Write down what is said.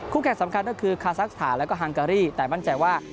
แข่งสำคัญก็คือคาซักสถานแล้วก็ฮังการีแต่มั่นใจว่า